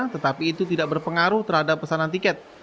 tetapi itu tidak berpengaruh terhadap pesanan tiket